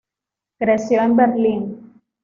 Creció en Berlín.